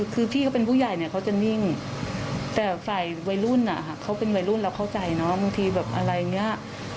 คือพี่เขาเป็นผู้ใหญ่เนี่ยเขาจะนิ่งแต่ฝ่ายวัยรุ่นเขาเป็นวัยรุ่นเราเข้าใจเนาะบางทีแบบอะไรอย่างนี้